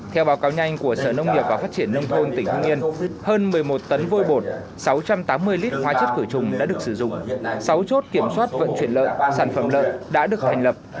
theo báo cáo nhanh của sở nông nghiệp và phát triển nông thôn tỉnh hưng yên hơn một mươi một tấn vôi bột sáu trăm tám mươi lít hóa chất khử trùng đã được sử dụng sáu chốt kiểm soát vận chuyển lợn sản phẩm lợn đã được thành lập